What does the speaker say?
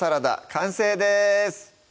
完成です